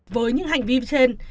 với những hành vi trên